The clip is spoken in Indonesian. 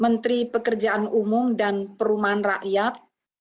menteri pekerjaan umum dan perumahan rakyat